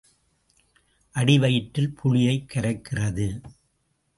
அடிவயிற்றில் புளியைக் கரைக்கிறது.